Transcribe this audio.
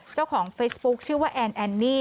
เจ้าของเฟซบุ๊คชื่อว่าแอนแอนนี่